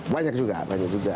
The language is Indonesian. banyak juga banyak juga